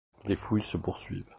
Les fouilles se poursuivent.